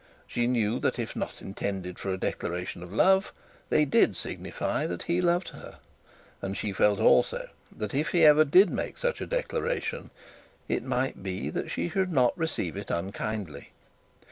She knew that if not intended for a declaration of love, they did signify that he loved her; and she felt also that if he ever did make such a declaration, it might be that she should not receive it unkindly.